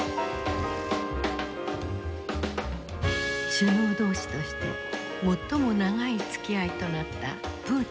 首脳同士として最も長いつきあいとなったプーチン大統領。